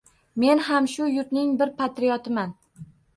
Men ham shu yurtning bir patriotiman.